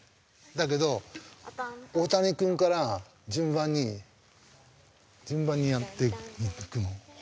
だけど大谷君から順番に順番にやっていくの。